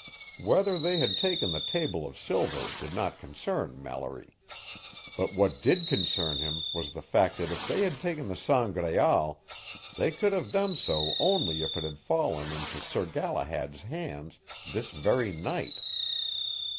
Whether they had taken the table of silver did not concern Mallory, but what did concern him was the fact that if they had taken the Sangraal they could have done so only if it had fallen into Sir Galahad's hands this very night.